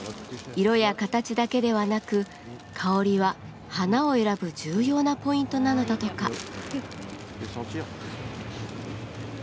色や形だけではなく香りは花を選ぶ重要なポイントなのだとか。